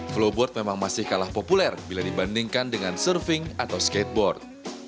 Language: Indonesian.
flowboard memang masih kalah populer bila dibandingkan dengan surfing atau skateboard